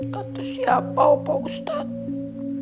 kan itu siapa pak ustadz